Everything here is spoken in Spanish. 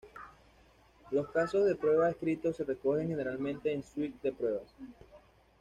Los casos de prueba escritos se recogen generalmente en una suite de pruebas.